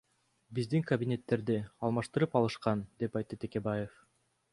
Биздин кабинеттерди алмаштырып алышкан, — деп айтты Текебаев.